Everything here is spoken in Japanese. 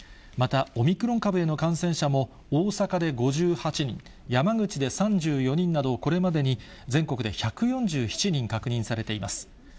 また、オミクロン株への感染者も大阪で５８人、山口で３４人など、これまでに全国で１４７人確認されています。